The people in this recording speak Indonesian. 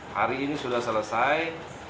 hari ini sudah selesai